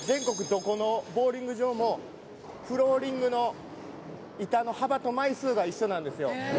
どこのボウリング場もフローリングの板の幅と枚数が一緒なんですよ